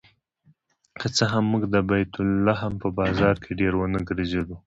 که څه هم موږ د بیت لحم په بازار کې ډېر ونه ګرځېدو.